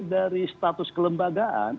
dari status kelembagaan